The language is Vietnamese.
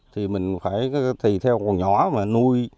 thì mình phải thì theo con nhỏ mà nuôi